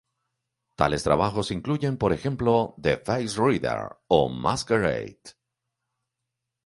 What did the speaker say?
Tales trabajos incluyen por ejemplo, "The Face Reader" o "Masquerade.